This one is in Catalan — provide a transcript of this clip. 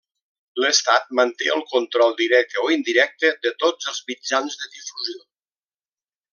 L'Estat manté el control directe o indirecte de tots els mitjans de difusió.